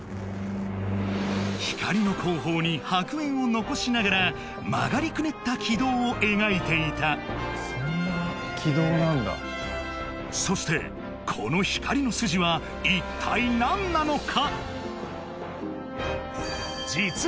光の後方に白煙を残しながら曲がりくねった軌道を描いていたそしてこの光の筋は一体何なのか？